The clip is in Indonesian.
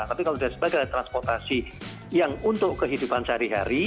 tapi kalau sudah sebagai transportasi yang untuk kehidupan sehari hari